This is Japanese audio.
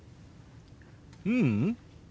ううん。